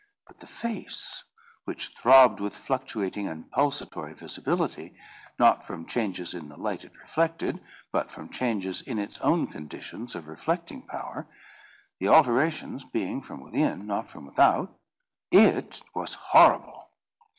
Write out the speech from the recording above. But the face, which throbbed with fluctuating and pulsatory visibility—not from changes in the light it reflected, but from changes in its own conditions of reflecting power, the alterations being from within, not from without—it was horrible.